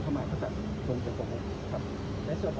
ทำไมประชาชนวงจริงคนศึกษ์๕๕๕